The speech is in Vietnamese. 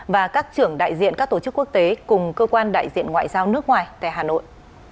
và các trưởng đại diện các tổ chức quốc tế cùng cơ quan đại diện ngoại giao nước ngoài tại hà nội